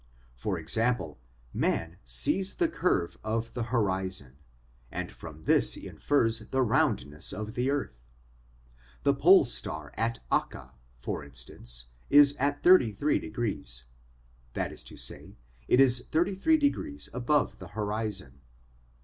For example, man sees the curve of the horizon, and from this he infers the roundness of the earth. The Pole Star at Acca, for instance, is at 33, that is to say, it is 33 above the horizon.